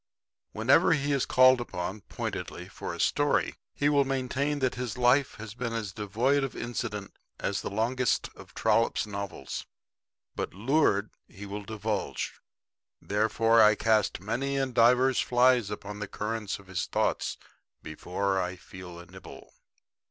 Whenever he is called upon, pointedly, for a story, he will maintain that his life has been as devoid of incident as the longest of Trollope's novels. But lured, he will divulge. Therefore I cast many and divers flies upon the current of his thoughts before I feel a nibble.